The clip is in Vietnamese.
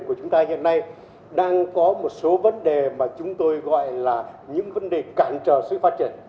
của chúng ta hiện nay đang có một số vấn đề mà chúng tôi gọi là những vấn đề cản trở sự phát triển